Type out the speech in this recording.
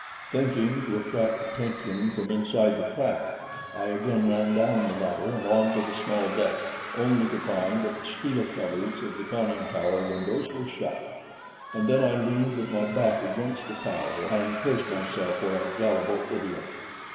Thinking to attract attention from inside the craft, I again ran down the ladder and onto the small deck only to find that the steel covers of the conning tower windows were shut, and then I leaned with my back against the tower and cursed myself for a gullible idiot.